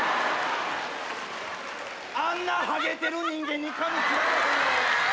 あんなハゲてる人間に髪切られへんよ！